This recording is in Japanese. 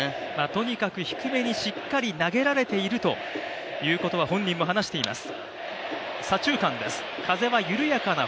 とにかく低めにしっかり投げられているということは本人も話しています。